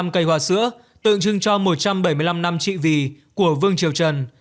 một trăm bảy mươi năm cây hoa sữa tượng trưng cho một trăm bảy mươi năm năm trị vị của vương triều trần